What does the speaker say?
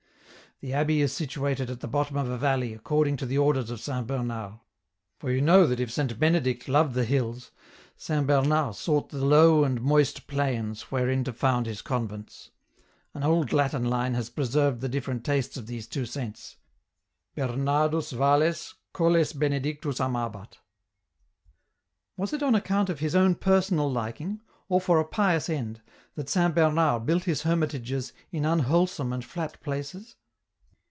" The abbey is situated at the bottom of a valley, accord ing to the orders of Saint Bernard ; for you know that it Saint Benedict loved the hills, Saint Bernard sought the low and moist plains wherein to found his convents. An old Latin line has preserved the different tastes of these two saints :"' Bemardus valles, coUes Benedictus amabat.* "" Was it on account of his own personal liking, or for a pious end, that Saint Bernard built his hermitages in un wholesome and flat places